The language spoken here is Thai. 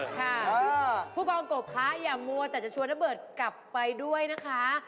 ค่ะผู้กองกบคะอย่ามัวแต่จะชวนระเบิร์ตกลับไปด้วยนะคะ